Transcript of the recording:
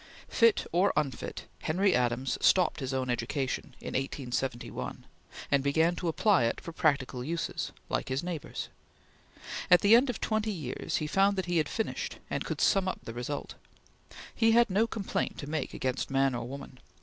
Fit or unfit, Henry Adams stopped his own education in 1871, and began to apply it for practical uses, like his neighbors. At the end of twenty years, he found that he had finished, and could sum up the result. He had no complaint to make against man or woman.